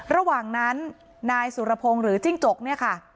ระหว่างนั้นนายสุรพงศ์หรือจิ้งจกเนี่ยค่ะ